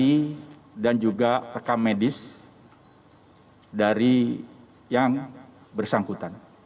sidik jari dan juga rekam medis dari yang bersangkutan